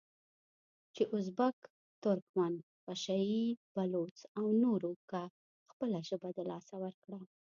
چې ازبک، ترکمن، پشه یي، بلوڅ او نورو که خپله ژبه د لاسه ورکړه،